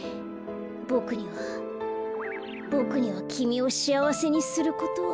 ボクにはボクにはきみをしあわせにすることは。